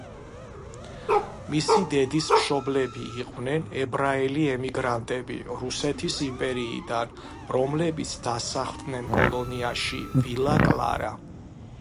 მისი დედის მშობლები იყვნენ ებრაელი ემიგრანტები რუსეთის იმპერიიდან, რომლებიც დასახლდნენ კოლონიაში ვილა კლარა.